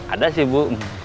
ada sih bu